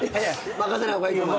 任せない方がいいか。